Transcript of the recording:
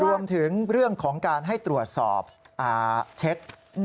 รวมถึงเรื่องของการให้ตรวจสอบเช็ค